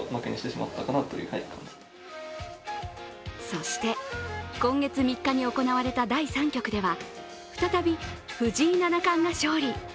そして今月３日に行われた第３局では、再び藤井七冠が勝利。